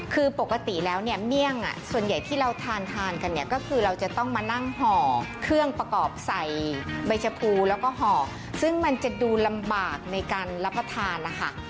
คือปกติแล้วเนี่ยเมี่ยงส่วนใหญ่ที่เราทานกันเนี่ยก็คือเราจะต้องมานั่งห่อเครื่องประกอบใส่ใบชะพูแล้วก็ห่อซึ่งมันจะดูลำบากในการรับประทานนะคะ